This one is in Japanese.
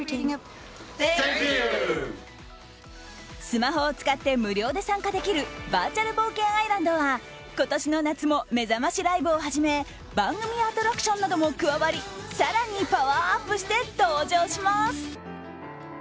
スマホを使って無料で参加できる「バーチャル冒険アイランド」は今年の夏もめざましライブをはじめ番組アトラクションなども加わり更にパワーアップして登場します！